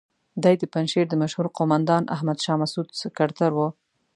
دی د پنجشیر د مشهور قوماندان احمد شاه مسعود سکرتر وو.